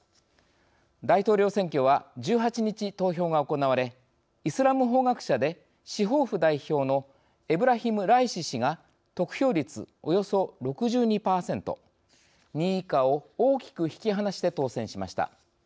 大統領選挙は１８日投票が行われイスラム法学者で司法府代表のエブラヒム・ライシ師が得票率およそ６２％２位以下を大きく引き離して当選しました。